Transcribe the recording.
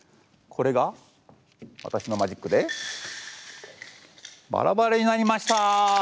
これが私のマジックでバラバラになりました。